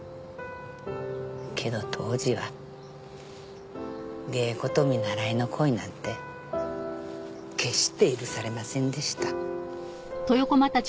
けど当時は芸妓と見習いの恋なんて決して許されませんでした。